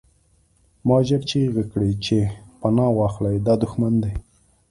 ما ژر چیغې کړې چې پناه واخلئ دا دښمن دی